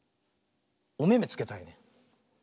おめめつけたいね。